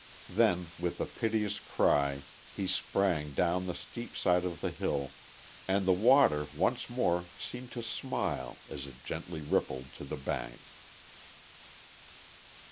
Then, with a piteous cry, he sprang down the steep side of the hill, and the water once more seemed to smile as it gently rippled to the bank.